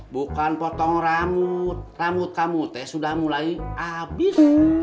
bukan potong rambut rambut kamu teh sudah mulai habis